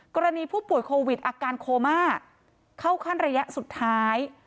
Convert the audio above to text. กรณีผู้ป่วยโควิดอาการโคม่าเข้าขั้นระยะสุดท้าย